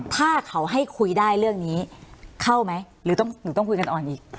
ถ้าเขาให้คุยได้เรื่องนี้เข้าไหมหรือหนูต้องคุยกันก่อนอีก